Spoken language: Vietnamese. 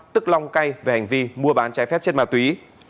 tức long cay về hành vi mua bán trái phép chất ma túy